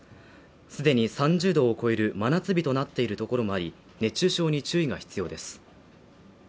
既に３０℃を超える真夏日となっているところもあり、熱中症に注意が必要です。